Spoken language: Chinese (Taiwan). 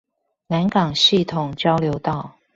南港系統交流道